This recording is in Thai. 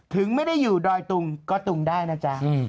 ถึงไม่ได้อยู่ดอยตุงก็ตุงได้นะจ๊ะ